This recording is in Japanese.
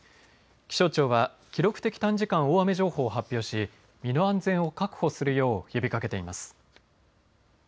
気象庁は記録的短時間大雨情報を発表し、身の安全を確保するよう呼びかけています。